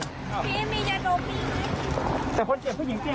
พี่มียาโดมีแต่คนเสียงผู้หญิงจริง